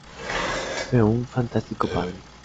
Fue un fantástico padre.